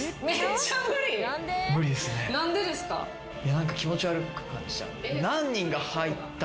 何か気持ち悪く感じちゃう。